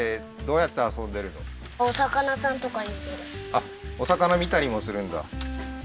あっお魚見たりもするんだ